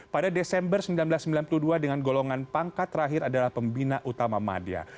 pada desember seribu sembilan ratus sembilan puluh dua dengan golongan pangkat terakhir adalah pembina utama madya